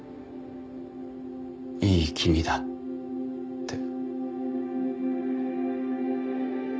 いい気味だって。